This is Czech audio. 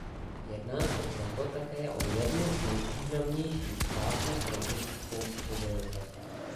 Jedná se proto také o jedny z nejvýznamnějších ptáků pro lidskou civilizaci.